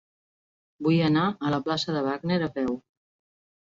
Vull anar a la plaça de Wagner a peu.